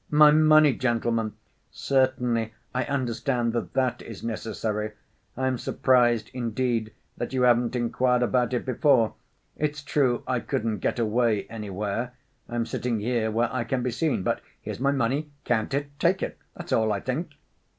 "My money, gentlemen? Certainly. I understand that that is necessary. I'm surprised, indeed, that you haven't inquired about it before. It's true I couldn't get away anywhere. I'm sitting here where I can be seen. But here's my money—count it—take it. That's all, I think."